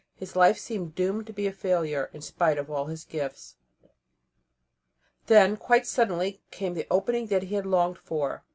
His life seemed doomed to be a failure, in spite of all his gifts. And then, quite suddenly, came the opening that he had longed for.